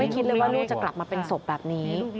คิดเลยว่าลูกจะกลับมาเป็นศพแบบนี้